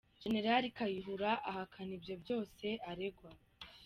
Jenerali Kayihura ahakana ibyo byose aregwa.